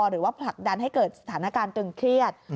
หรือว่าผลักดันให้เกิดสถานการณ์ตึงเครียด